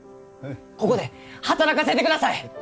ここで働かせてください！